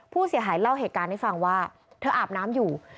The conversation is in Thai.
ผู้เสียหายเล่าเหตุการณ์ให้ฟังว่าเธออาบน้ำอยู่